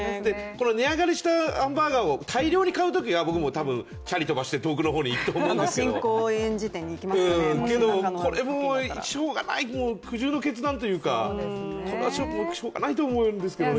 値上がりしたハンバーガーを大量に買うときは僕もチャリ飛ばして遠くのところに行くと思うんですけどけど、これも苦渋の決断というかこれはしようがないと思うんですけどね。